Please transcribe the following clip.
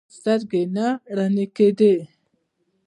سترګې نه رڼې کېدې.